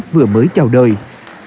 vừa mới trở về xã